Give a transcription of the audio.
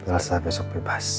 elsa besok bebas